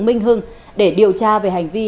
minh hưng để điều tra về hành vi